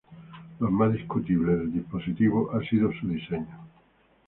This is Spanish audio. Lo más discutible del dispositivo ha sido su diseño.